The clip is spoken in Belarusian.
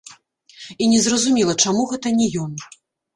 І незразумела, чаму гэта не ён.